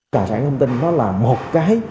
tài sản thông tin nó là một cái